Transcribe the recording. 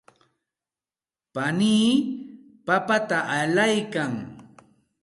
panii papata allaykan.